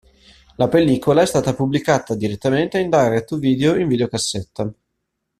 La pellicola è stata pubblicata direttamente in direct-to-video in videocassetta.